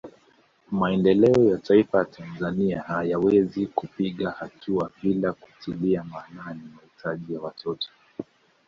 Maendeleo ya Taifa la Tanzania hayawezi kupiga hatua bila kutilia maanani mahitaji ya watoto